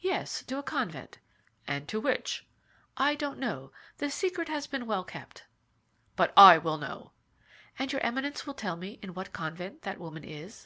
"Yes, to a convent." "And to which?" "I don't know; the secret has been well kept." "But I will know!" "And your Eminence will tell me in what convent that woman is?"